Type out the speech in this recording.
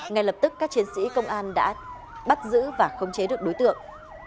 ngay lập tức các chiến sĩ công an đã bắt giữ và khống chế được đối tượng